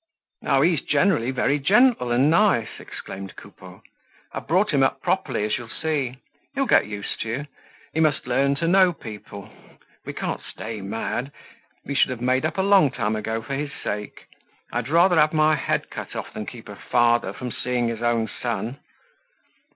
"Oh! he's generally very gentle and nice," exclaimed Coupeau. "I've brought him up properly, as you'll see. He'll get used to you. He must learn to know people. We can't stay mad. We should have made up a long time ago for his sake. I'd rather have my head cut off than keep a father from seeing his own son."